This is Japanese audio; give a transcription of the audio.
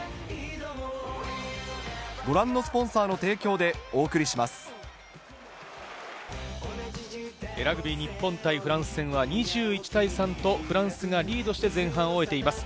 「ＭＡＲＥ」家は生きる場所へラグビー日本対フランス戦は２１対３と、フランスがリードして前半を終えています。